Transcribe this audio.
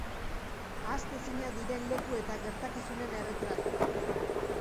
Ahaztezinak diren leku eta gertakizunen erretratuak.